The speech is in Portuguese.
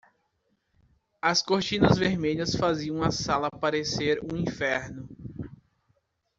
As cortinas vermelhas faziam a sala parecer um inferno.